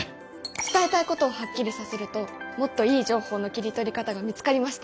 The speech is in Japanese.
伝えたいことをはっきりさせるともっといい情報の切り取り方が見つかりました！